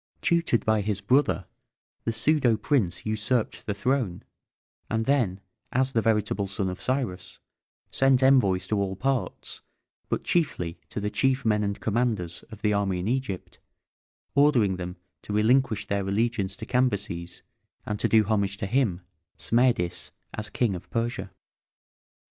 Tutored by his brother, the pseudo prince usurped the throne, and then, as the veritable son of Cyrus, sent envoys to all parts, but chiefly to the chief men and commanders of the army in Egypt, ordering them to relinquish their allegiance to Cambyses, and to do homage to him, Smerdis, as King of Persia.